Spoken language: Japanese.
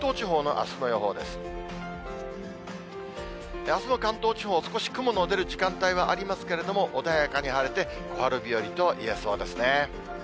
あすの関東地方、少し雲の出る時間帯はありますけれども、穏やかに晴れて、小春日和と言えそうですね。